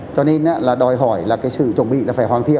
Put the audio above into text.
cho nên là đòi hỏi là sự chuẩn bị phải hoàn thiện